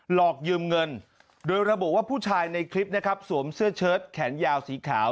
หลอกยืมเงินโดยระบุว่าผู้ชายในคลิปนะครับสวมเสื้อเชิดแขนยาวสีขาว